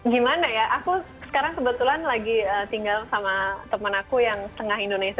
gimana ya aku sekarang kebetulan lagi tinggal sama teman aku yang tengah indonesia